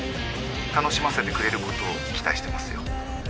楽しませてくれることを期待してますよ。